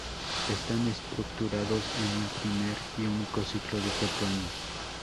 Están estructurados en un primer y único ciclo de cuatro años.